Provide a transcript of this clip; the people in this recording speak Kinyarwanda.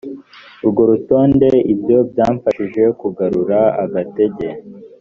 urwo rutonde ibyo byamfashije kugarura agatege